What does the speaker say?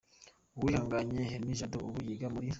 Uwihanganye Henri Jado ubu yiga muri.